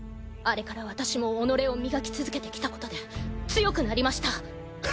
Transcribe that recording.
あれから私も己を磨き続けてきたことで強くなりました。